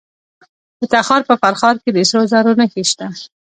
د تخار په فرخار کې د سرو زرو نښې شته.